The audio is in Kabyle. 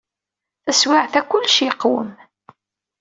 Taswiɛt-a, kullec yeqwem.